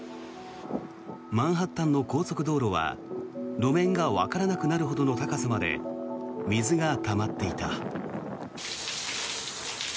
マンハッタンの高速道路は路面がわからなくなるほどの高さまで水がたまっていた。